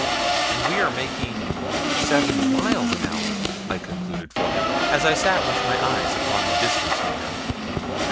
"And we are making seven miles an hour," I concluded for him, as I sat with my eyes upon the distance meter.